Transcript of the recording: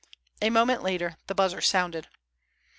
A moment later the buzzer sounded.